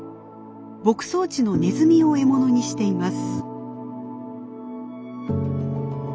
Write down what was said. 牧草地のネズミを獲物にしています。